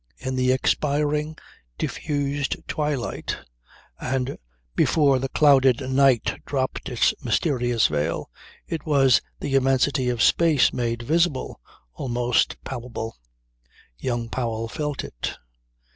In the expiring, diffused twilight, and before the clouded night dropped its mysterious veil, it was the immensity of space made visible almost palpable. Young Powell felt it.